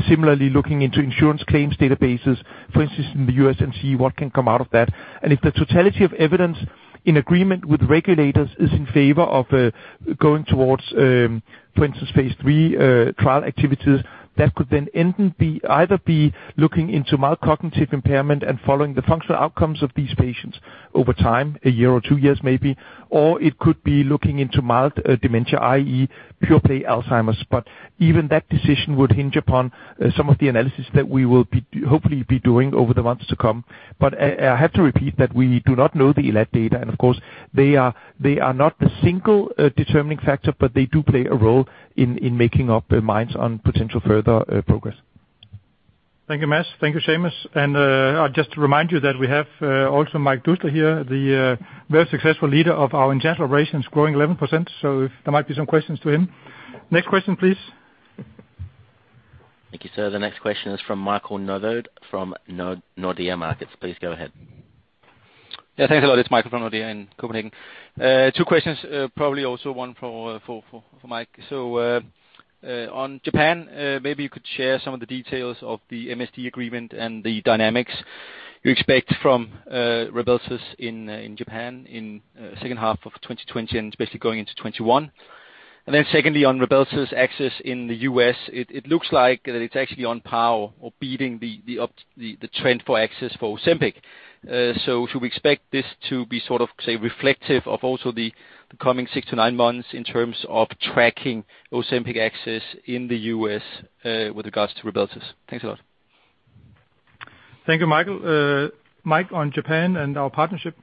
Similarly looking into insurance claims databases, for instance, in the U.S. and see what can come out of that. If the totality of evidence in agreement with regulators is in favor of going towards, for instance, phase III trial activities, that could then end in either be looking into mild cognitive impairment and following the functional outcomes of these patients over time, one year or two years maybe, or it could be looking into mild dementia, i.e., purely Alzheimer's. Even that decision would hinge upon some of the analysis that we will hopefully be doing over the months to come. I have to repeat that we do not know the ELAD data, and of course, they are not the single determining factor, but they do play a role in making up our minds on potential further progress. Thank you, Mads. Thank you, Seamus. Just to remind you that we have Maziar Mike Doustdar here, the very successful leader of our general operations growing 11%, so there might be some questions to him. Next question, please. Thank you, sir. The next question is from Michael Novod from Nordea Markets. Please go ahead. Thanks a lot. It's Michael from Nordea in Copenhagen. Two questions, probably also one for Mike. On Japan, maybe you could share some of the details of the MSD agreement and the dynamics you expect from RYBELSUS in Japan in second half of 2020, and especially going into 2021. Secondly, on RYBELSUS access in the U.S., it looks like that it's actually on par or beating the trend for access for Ozempic. Should we expect this to be sort of, say, reflective of also the coming 6-9 months in terms of tracking Ozempic access in the U.S. with regards to RYBELSUS? Thanks a lot. Thank you, Michael. Mike, on Japan and our partnership.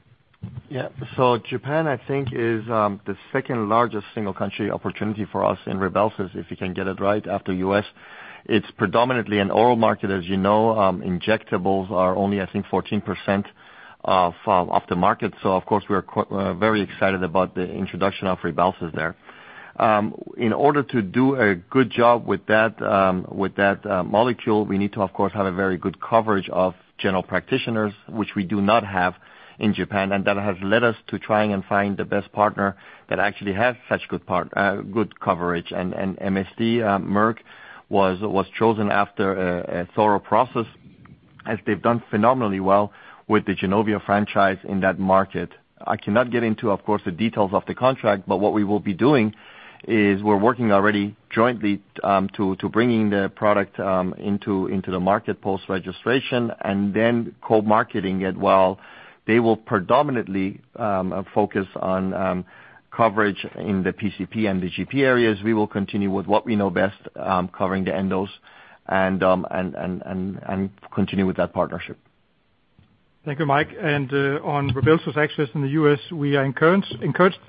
Yeah. Japan, I think, is the second largest single country opportunity for us in RYBELSUS if you can get it right after the U.S. It's predominantly an oral market, as you know. Injectables are only, I think, 14% of the market. Of course, we are very excited about the introduction of RYBELSUS there. In order to do a good job with that, with that molecule, we need to of course, have a very good coverage of general practitioners, which we do not have in Japan. That has led us to trying and find the best partner that actually have such good coverage. MSD, Merck was chosen after a thorough process as they've done phenomenally well with the Januvia franchise in that market. I cannot get into, of course, the details of the contract, but what we will be doing is we're working already jointly, to bringing the product into the market post registration and then co-marketing it while they will predominantly focus on coverage in the PCP and the GP areas. We will continue with what we know best, covering the endos and continue with that partnership. Thank you, Mike. On RYBELSUS access in the U.S., we are encouraged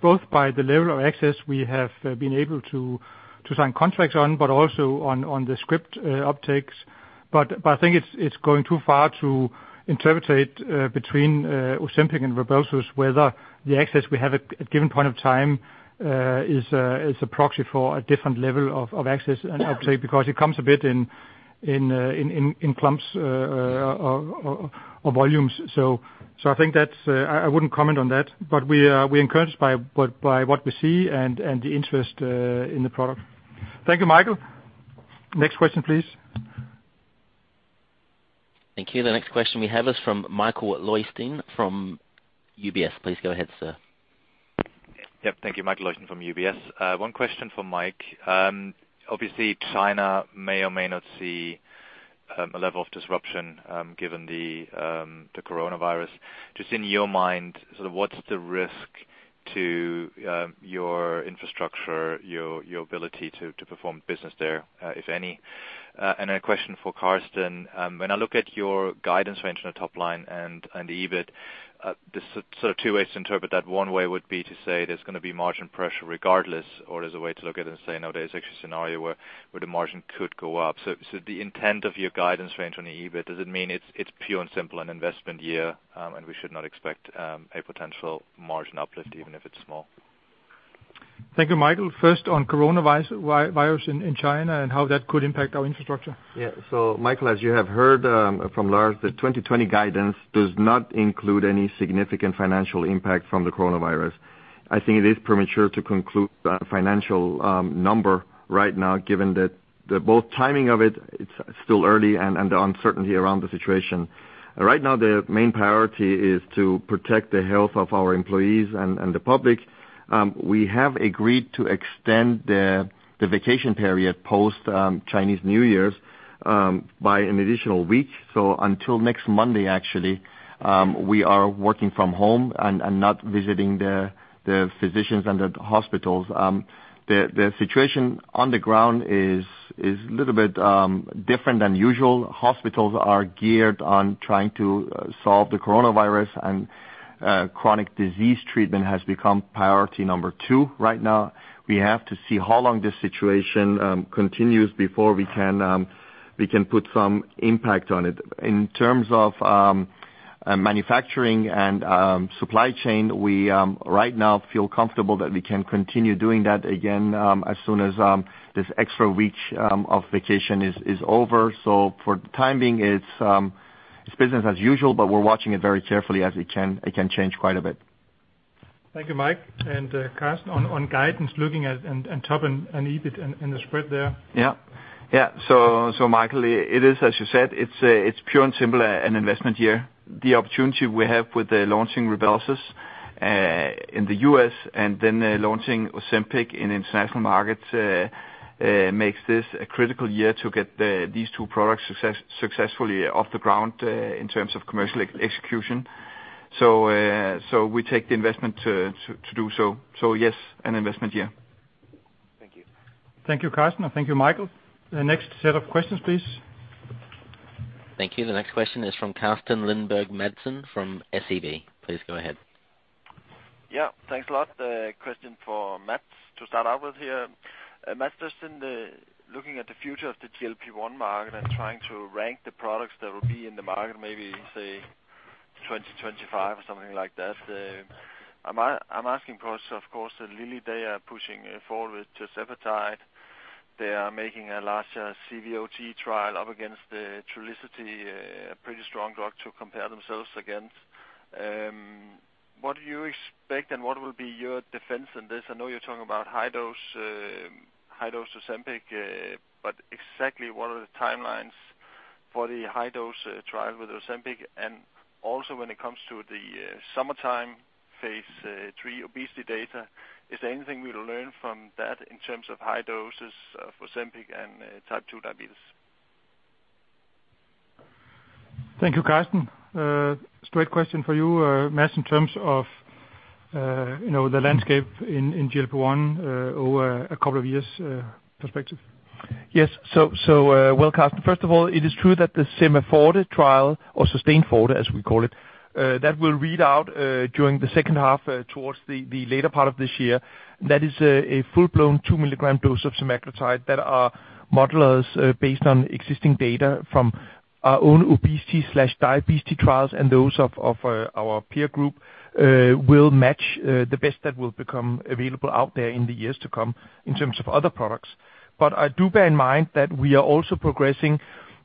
both by the level of access we have been able to sign contracts on, but also on the script uptakes. I think it's going too far to interpret between Ozempic and RYBELSUS, whether the access we have at given point of time is a proxy for a different level of access and uptake, because it comes a bit in clumps of volumes. I think that's I wouldn't comment on that, but we're encouraged by what we see and the interest in the product. Thank you, Michael. Next question, please. Thank you. The next question we have is from Michael Leuchten from UBS. Please go ahead, sir. Yep. Thank you. Michael Leuchten from UBS. One question for Mike. Obviously, China may or may not see a level of disruption given the coronavirus. Just in your mind, sort of what's the risk to your infrastructure, your ability to perform business there, if any? A question for Karsten. When I look at your guidance range on the top line and EBIT, there's sort of two ways to interpret that. One way would be to say there's gonna be margin pressure regardless, or there's a way to look at it and say, no, there's actually a scenario where the margin could go up. The intent of your guidance range on the EBIT, does it mean it's pure and simple an investment year, and we should not expect a potential margin uplift even if it's small? Thank you, Michael. First on coronavirus, virus in China and how that could impact our infrastructure. So Michael, as you have heard, from Lars, the 2020 guidance does not include any significant financial impact from the coronavirus. I think it is premature to conclude the financial number right now, given that the both timing of it's still early and the uncertainty around the situation. Right now, the main priority is to protect the health of our employees and the public. We have agreed to extend the vacation period post Chinese New Year by an additional week. Until next Monday, actually, we are working from home and not visiting the physicians and the hospitals. The situation on the ground is a little bit different than usual. Hospitals are geared on trying to solve the coronavirus and chronic disease treatment has become priority number two right now. We have to see how long this situation continues before we can, we can put some impact on it. In terms of manufacturing and supply chain, we right now feel comfortable that we can continue doing that again, as soon as this extra week of vacation is over. For the time being, it's business as usual, but we're watching it very carefully as it can change quite a bit. Thank you, Mike. Karsten, on guidance, looking at top, EBIT, and the spread there. Yeah. Yeah. Michael, it is as you said, it's pure and simple an investment year. The opportunity we have with the launching RYBELSUS in the U.S. and then launching Ozempic in international markets makes this a critical year to get these two products successfully off the ground in terms of commercial execution. We take the investment to do so. Yes, an investment year. Thank you. Thank you, Karsten, and thank you, Michael. The next set of questions, please. Thank you. The next question is from Carsten Lønborg Madsen from SEB. Please go ahead. Yeah. Thanks a lot. A question for Mads to start out with here. Mads, just in the looking at the future of the GLP-1 market and trying to rank the products that will be in the market, maybe, say, 2025 or something like that, I'm asking 'cause, of course, at Lilly, they are pushing forward with tirzepatide. They are making a larger CVOT trial up against Trulicity, a pretty strong drug to compare themselves against. What do you expect, and what will be your defense in this? I know you're talking about high dose Ozempic, exactly what are the timelines for the high dose trial with Ozempic? Also when it comes to the summertime phase III obesity data, is there anything we'll learn from that in terms of high doses of Ozempic and type 2 diabetes? Thank you, Carsten. Straight question for you, Mads, in terms of, you know, the landscape in GLP-1 over a couple of years, perspective. Yes. Carsten, first of all, it is true that the SUSTAIN FORTE trial, as we call it, that will read out during the second half towards the later part of this year. That is a full-blown 2-milligram dose of semaglutide that our modelers, based on existing data from our own obesity/diabetes trials and those of our peer group, will match the best that will become available out there in the years to come in terms of other products. I do bear in mind that we are also progressing,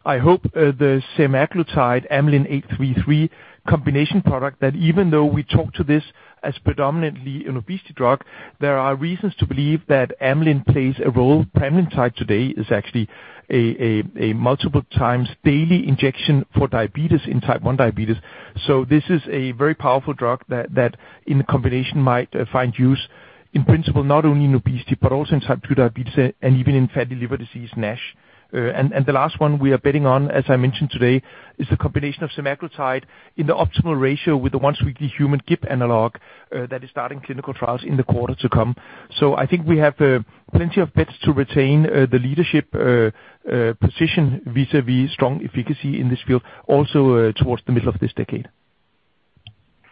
I hope, the semaglutide amylin AM833 combination product that even though we talk to this as predominantly an obesity drug, there are reasons to believe that amylin plays a role. Pramlintide today is actually a multiple times daily injection for diabetes in type 1 diabetes. This is a very powerful drug that in combination might find use in principle not only in obesity but also in type 2 diabetes and even in fatty liver disease NASH. The last one we are betting on, as I mentioned today, is the combination of semaglutide in the optimal ratio with the once-weekly human GLP analog that is starting clinical trials in the quarter to come. I think we have plenty of bets to retain the leadership position vis-a-vis strong efficacy in this field also towards the middle of this decade.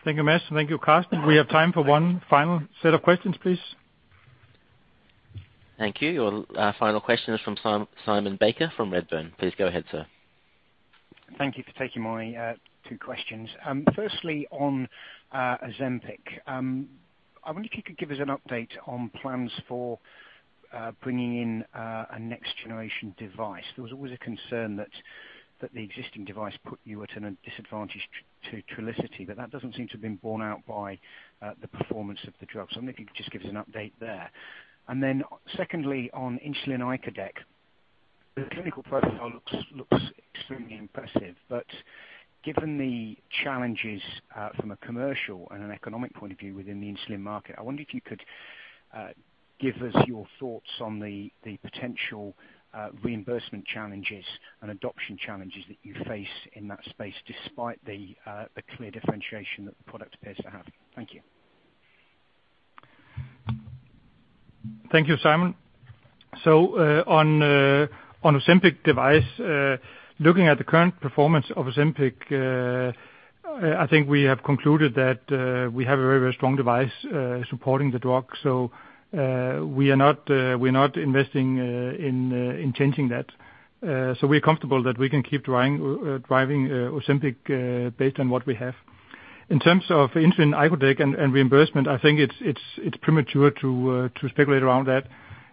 Thank you, Mads. Thank you, Karsten. We have time for one final set of questions, please. Thank you. Our final question is from Simon Baker from Redburn. Please go ahead, sir. Thank you for taking my two questions. Firstly on Ozempic. I wonder if you could give us an update on plans for bringing in a next generation device. There was always a concern that the existing device put you at a disadvantage to Trulicity, but that doesn't seem to have been borne out by the performance of the drug. I wonder if you could just give us an update there. Secondly, on insulin icodec, the clinical profile looks extremely impressive. Given the challenges from a commercial and an economic point of view within the insulin market, I wonder if you could give us your thoughts on the potential reimbursement challenges and adoption challenges that you face in that space despite the clear differentiation that the product appears to have. Thank you. Thank you, Simon. On Ozempic device, looking at the current performance of Ozempic, I think we have concluded that we have a very strong device supporting the drug. We are not, we're not investing in changing that. We're comfortable that we can keep driving Ozempic based on what we have. In terms of insulin icodec and reimbursement, I think it's premature to speculate around that.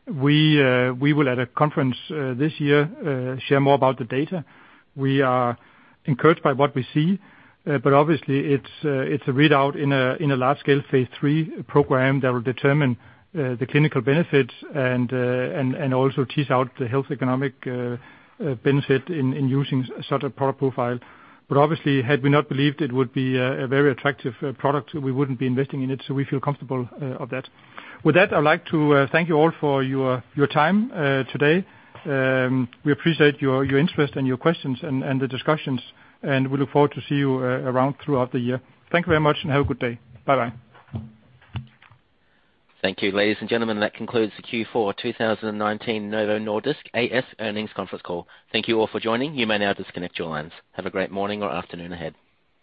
We will at a conference this year share more about the data. We are encouraged by what we see, but obviously it's a readout in a large scale phase III program that will determine the clinical benefits and also tease out the health economic benefit in using such a product profile. Obviously had we not believed it would be a very attractive product, we wouldn't be investing in it, so we feel comfortable of that. With that, I'd like to thank you all for your time today. We appreciate your interest and your questions and the discussions, and we look forward to see you around throughout the year. Thank you very much and have a good day. Bye-bye. Thank you. Ladies and gentlemen, that concludes the Q4 2019 Novo Nordisk A/S earnings conference call. Thank you all for joining. You may now disconnect your lines. Have a great morning or afternoon ahead.